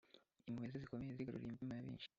Impuhwe ze zikomeye zigaruriye imitima ya benshi.